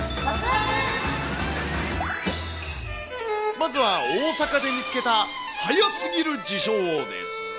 まずは、大阪で見つけた、速すぎる自称王です。